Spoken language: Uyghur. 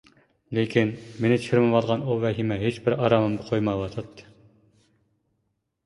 لېكىن مېنى چىرمىۋالغان ئۇ ۋەھىمە ھېچبىر ئارامىمدا قويمايۋاتاتتى.